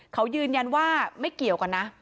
เขายืนยันว่าไม่เกี่ยวกันนะ